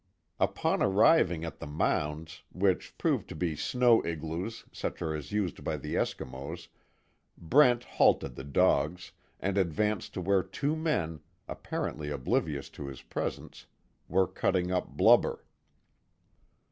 Upon arriving at the mounds, which proved to be snow igloos such as are used by the Eskimos, Brent halted the dogs, and advanced to where two men, apparently oblivious to his presence, were cutting up blubber.